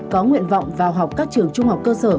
có nguyện vọng vào học các trường trung học cơ sở